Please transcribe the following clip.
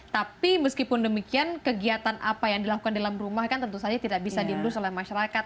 tapi meskipun demikian kegiatan apa yang dilakukan dalam rumah kan tentu saja tidak bisa diendus oleh masyarakat